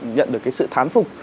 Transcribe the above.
nhận được cái sự thán phục